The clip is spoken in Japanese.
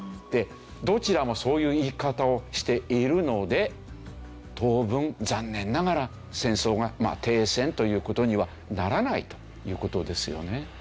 どちらもそういう言い方をしているので当分残念ながら戦争が停戦という事にはならないという事ですよね。